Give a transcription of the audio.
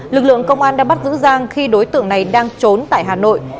lực lượng công an đã bắt giữ giang khi đối tượng này đang trốn tại hà nội